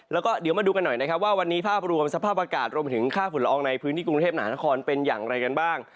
แล้วก็เดี๋ยวมาดูกันหน่อยนะครับว่าวันนี้ภาพรวมสภาพอากาศรวมถึงค่าฝุ่นละอองในพื้นที่กรุงเทพมหานครเป็นอย่างไรกันบ้าง